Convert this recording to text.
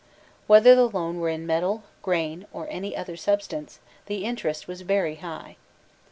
Whether the loan were in metal, grain, or any other substance, the interest was very high.